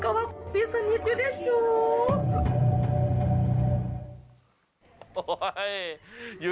ก็ว่าปิดสนิทอยู่ได้ซู